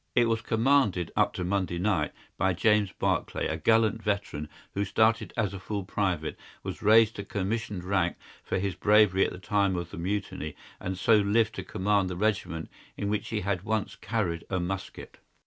It was commanded up to Monday night by James Barclay, a gallant veteran, who started as a full private, was raised to commissioned rank for his bravery at the time of the Mutiny, and so lived to command the regiment in which he had once carried a musket.